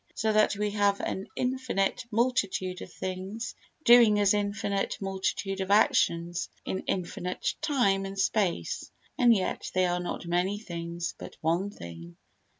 So that we have an infinite multitude of things doing an infinite multitude of actions in infinite time and space; and yet they are not many things, but one thing.